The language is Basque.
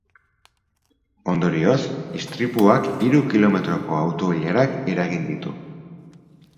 Ondorioz, istripuak hiru kilometroko auto-ilarak eragin ditu.